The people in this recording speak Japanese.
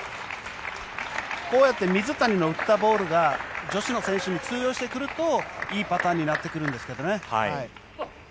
こうやって水谷の打ったボールが女子の選手に通用してくるといいパターンになってくるんですけどね。